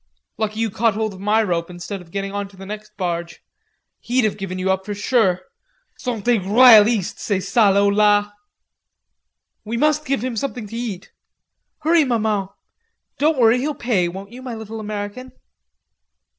"Lucky you caught hold of my rope, instead of getting on to the next barge. He'd have given you up for sure. Sont des royalistes, ces salauds la." "We must give him something to eat; hurry, Maman.... Don't worry, he'll pay, won't you, my little American?"